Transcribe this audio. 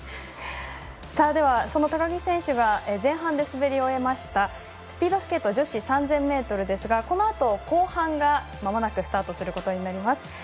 高木選手が前半で滑り終えましたスピードスケート女子３０００ｍですがこのあと、後半がまもなくスタートすることになります。